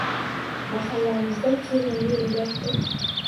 Mahallamizda kelinli uylar koʻp